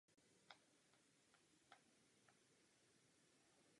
Časopis měl ale i své odpůrce.